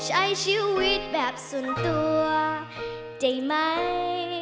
ใช้ชีวิตแบบส่วนตัวใช่ไหม